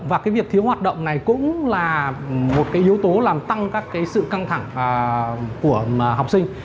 và cái việc thiếu hoạt động này cũng là một cái yếu tố làm tăng các cái sự căng thẳng của học sinh